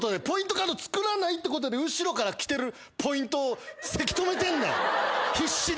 カード作らないってことで後ろから来てるポイントをせき止めてんねん必死で。